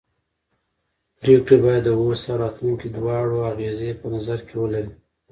پرېکړې باید د اوس او راتلونکي دواړو اغېزې په نظر کې ولري